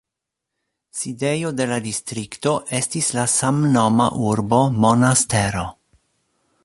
Sidejo de la distrikto estis la samnoma urbo Monastero.